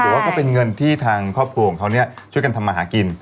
ว่าก็เป็นเงินที่ทางครอบครัวของเขาช่วยกันทำมาหากิน